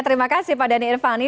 terima kasih pak dhani irvani